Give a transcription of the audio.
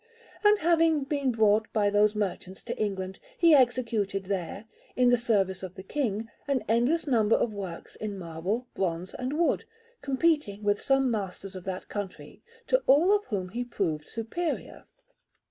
And having been brought by those merchants to England, he executed there, in the service of the King, an endless number of works in marble, bronze, and wood, competing with some masters of that country, to all of whom he proved superior.